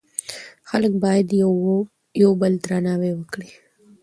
خلک باید یو بل درناوی کړي.